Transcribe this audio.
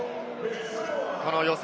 この予選